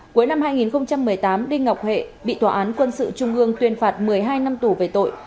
cuối năm hai nghìn một mươi tám đinh ngọc hệ bị tòa án quân sự trung ương tuyên phạt một mươi hai năm tù về tội